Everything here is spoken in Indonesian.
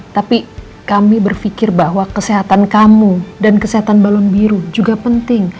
tapi kami berpikir bahwa kesehatan kamu dan kesehatan balon biru juga penting